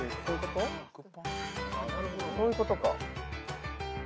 そういうことか。